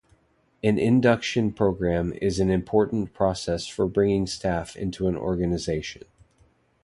An induction programme is an important process for bringing staff into an organisation.